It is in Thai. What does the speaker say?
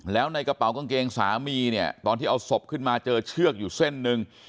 แล้วในกระเป๋ากางเกงสามีเนี่ยตอนที่เอาศพขึ้นมาเจอเชือกอยู่เส้นหนึ่ง